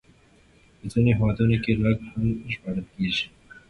په ځينو هېوادونو کې غږ هم ژباړل کېږي.